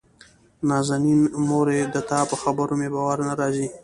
نازنين: مورې دتا په خبرو مې باور نه راځي.